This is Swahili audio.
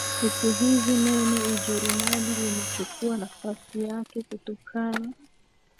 Siku hizi neno Ujerumani limechukua nafasi yake kutokana